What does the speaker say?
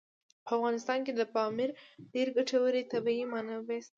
په افغانستان کې د پامیر ډېرې ګټورې طبعي منابع شته دي.